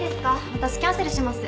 私キャンセルします。